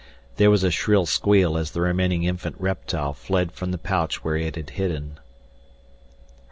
There was a shrill squeal as the remaining infant reptile fled from the pouch where it had hidden.